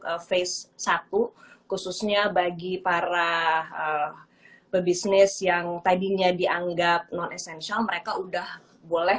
ke face satu khususnya bagi para pebisnis yang tadinya dianggap non essential mereka udah boleh